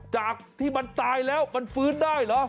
จากที่มันตายแล้วมันฟื้นได้เหรอ